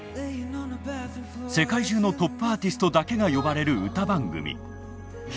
世界中のトップアーティストだけが呼ばれる歌番組。